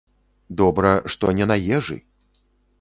Дабра, што не на ежы.